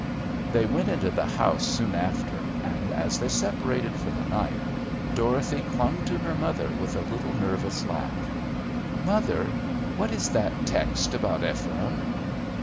They went into the house soon after, and as they separated for the night Dorothy clung to her mother with a little nervous laugh. "Mother, what is that text about Ephraim?"